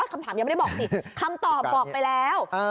คำถามยังไม่ได้บอกสิคำตอบบอกไปแล้ว